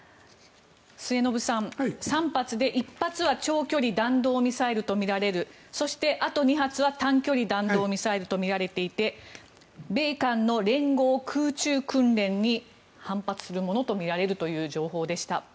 末延さん、３発で、１発は長距離弾道ミサイルとみられるそして、あと２発は短距離弾道ミサイルとみられていて米韓の連合空中訓練に反発するものとみられるという情報でした。